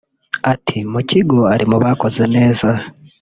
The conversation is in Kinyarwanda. Ati “Mu kigo ari mu bakoze neza